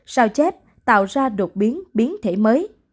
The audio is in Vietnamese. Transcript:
sao chép tạo ra đột biến biến thể mới